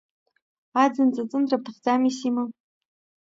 Аӡын ҵаҵындра бҭахӡами, Сима?